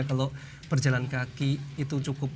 kalau berjalan kaki itu cukup